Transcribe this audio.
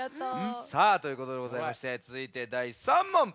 さあということでございましてつづいてだい３もん。